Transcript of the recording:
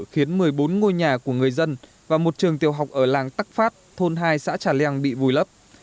khiến một mươi bốn ngôi nhà của người dân và một trường tiểu học ở làng tắc phát thôn hai xã trà leng bị vùi lấp